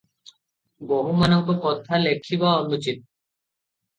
ବୋହୂମାନଙ୍କ କଥା ଲେଖିବା ଅନୁଚିତ ।